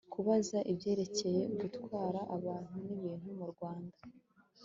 kubaza ibyerekeye gutwara abantu n ibintu mu rwanda